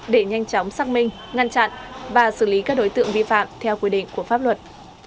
để nhanh chóng xác minh ngăn chặn và xử lý các đối tượng vi phạm theo quy định của pháp luật